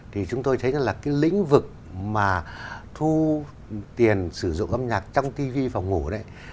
thì chúng tôi thấy là cái lĩnh vực mà thu tiền sử dụng âm nhạc trong tv phòng ngủ đấy